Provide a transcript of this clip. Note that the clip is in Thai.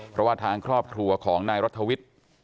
เพราะว่าทางครอบครัวของนายรัฐวิทย์